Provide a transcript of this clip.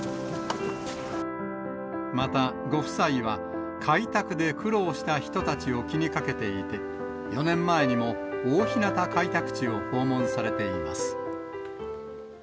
また、ご夫妻は開拓で苦労した人たちを気にかけていて、４年前にも大日向開拓地を訪問されています。